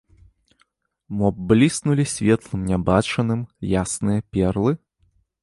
Мо б бліснулі светлым нябачаным ясныя перлы?